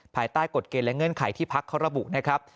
ภายใต้กฎเกณฑ์และเงื่อนไขที่พักเขาระบุนะครับ